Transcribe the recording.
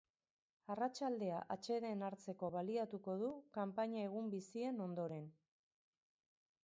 Arratsaldea atseden hartzeko baliatuko du kanpaina egun bizien ondoren.